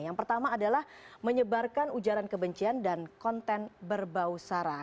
yang pertama adalah menyebarkan ujaran kebencian dan konten berbau sara